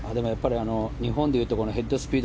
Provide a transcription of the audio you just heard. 日本でいうところのヘッドスピード